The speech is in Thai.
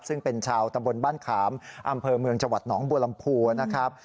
ซึ่งเป็นชาวตำบลบ้านขามอำเภอเมืองจังหวัดหนองบัวลำพูนะครับ